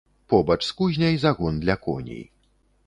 Побач з кузняй загон для коней.